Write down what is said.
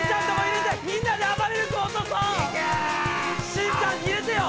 しんちゃんに入れてよ！